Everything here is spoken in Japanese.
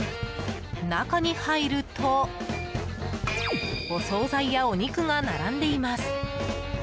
中に入るとお総菜や、お肉が並んでいます。